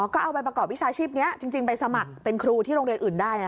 ก็เอาไปประกอบวิชาชีพนี้จริงไปสมัครเป็นครูที่โรงเรียนอื่นได้